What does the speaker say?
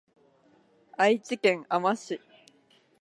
愛知県あま市